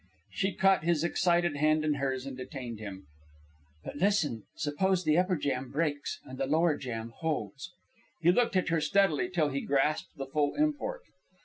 She caught his excited hand in hers and detained him. "But, listen. Suppose the upper jam breaks and the lower jam holds?" He looked at her steadily till he grasped the full import.